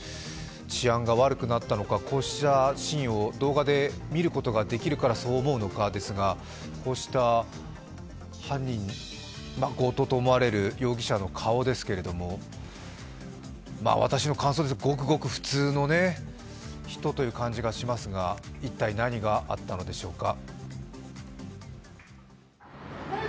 治安が悪くなったのか、こうしたシーンを動画で見ることができるからそう思うのかですがこうした強盗と思われる容疑者の顔ですけれど私の感想で、ごくごく普通の人という感じがしますが一体、何があったのでしょうか。